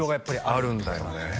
あるんだよね